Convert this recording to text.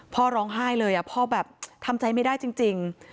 พ่อร้องไห้เลยพ่อแบบทำใจไม่ได้จริง